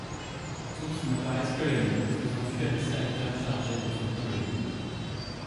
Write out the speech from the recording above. Tous n'apparaissent que la nuit, faisant fuir les serviteurs chargés d'entretenir le lieu.